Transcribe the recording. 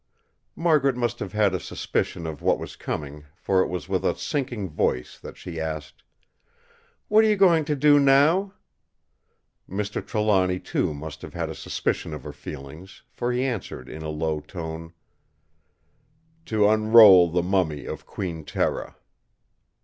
Margaret must have had a suspicion of what was coming, for it was with a sinking voice that she asked: "What are you going to do now?" Mr. Trelawny too must have had a suspicion of her feelings, for he answered in a low tone: "To unroll the mummy of Queen Tera!"